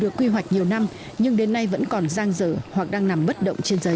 được quy hoạch nhiều năm nhưng đến nay vẫn còn giang dở hoặc đang nằm bất động trên giấy